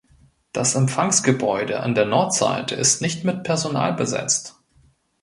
Das Empfangsgebäude an der Nordseite ist nicht mit Personal besetzt.